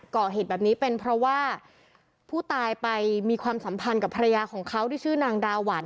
ก่อเหตุแบบนี้เป็นเพราะว่าผู้ตายไปมีความสัมพันธ์กับภรรยาของเขาที่ชื่อนางดาหวัน